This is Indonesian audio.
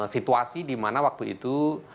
situasi dimana waktu itu